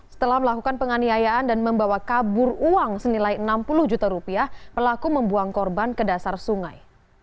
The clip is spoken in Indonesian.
setelah melakukan penganiayaan dan membawa kabur uang senilai enam puluh juta rupiah pelaku membuang korban ke dasar sungai